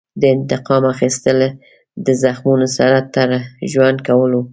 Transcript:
د انتقام اخیستل د زخمونو سره تر ژوند کولو.